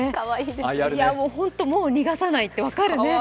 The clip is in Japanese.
もう逃がさないって分かるね。